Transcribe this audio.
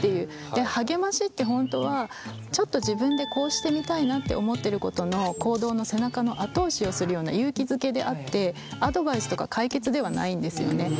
で励ましって本当はちょっと自分でこうしてみたいなって思ってることの行動の背中の後押しをするような勇気づけであってアドバイスとか解決ではないんですよね。